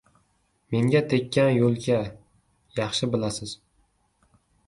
Menga tekkan yo’lka… Yaxshi bilasiz